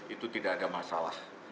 itu tidak ada masalah